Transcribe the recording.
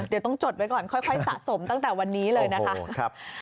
เดี๋ยวต้องจดไว้ก่อนค่อยสะสมตั้งแต่วันนี้เลยนะคะ